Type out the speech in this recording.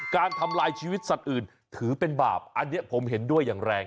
การทำลายชีวิตสัตว์อื่นถือเป็นบาปอันนี้ผมเห็นด้วยอย่างแรง